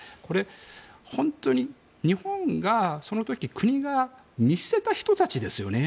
本当に日本がその時国が見捨てた人たちですよね